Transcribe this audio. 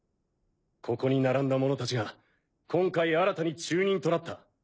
ここに並んだ者たちが今回新たに中忍となった。